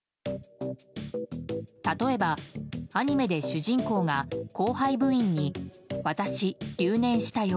例えば、アニメで主人公が後輩部員に「私、留年したよ。